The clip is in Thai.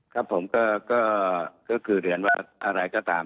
ครับผมก็คือเรียนว่าอะไรก็ตาม